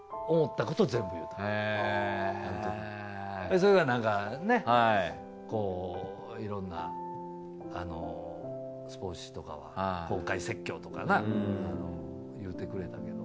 でそれがなんかねいろんなスポーツ紙とかは公開説教とかな言ってくれたけど。